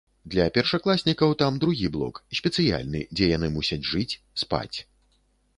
Для першакласнікаў там другі блок, спецыяльны, дзе яны мусяць жыць, спаць.